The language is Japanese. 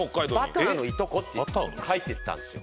バターのいとこって書いてたんですよ。